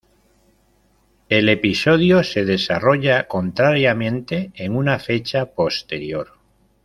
El episodio se desarrolla, contrariamente, en una fecha posterior.